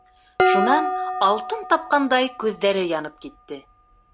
Шунан, алтын тапҡандай, күҙҙәре янып китте.